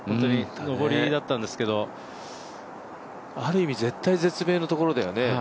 上りだったんですけどある意味、絶体絶命のところだよね。